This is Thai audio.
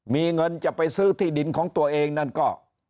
มีเงินจะไปซื้อที่ดินของตัวเองนั่นก็